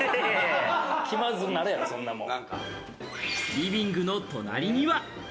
リビングの隣りには。